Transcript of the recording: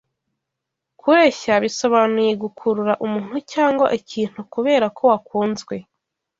Kureshya bisobanuye gukurura umuntu cyangwa ikintu kubera ko wakunzwe